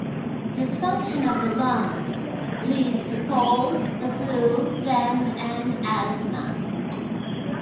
Dysfunction of the Lungs leads to colds, the flu, phlegm, and asthma.